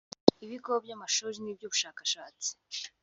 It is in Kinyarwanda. ibigo by’amashuri n’iby’ubushakashatsi